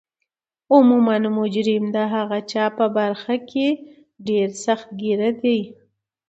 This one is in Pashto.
عموما مجرم د هغه چا په برخه کې ډیر سخت ګیره دی